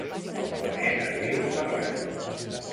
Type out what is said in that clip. El nen es diu Ferran.